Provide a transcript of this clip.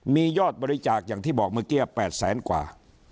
มียอดบริจาคอย่างที่บอกเมื่อกี้๘แสนกว่า